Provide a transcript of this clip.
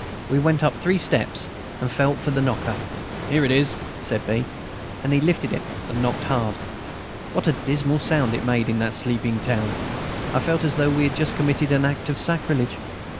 We went up three steps, and felt for the knocker. "Here it is," said B., and he lifted it and knocked hard. What a dismal sound it made in that sleeping town! I felt as though we had just committed an act of sacrilege.